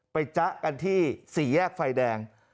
ไปจ๊ะกันที่๔แยกไฟแดง